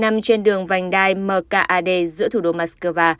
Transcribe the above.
nằm trên đường vành đai mkad giữa thủ đô moscow